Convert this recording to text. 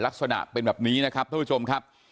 ลักษณะเป็นแบบนี้นะครับท่านผู้ชมครับ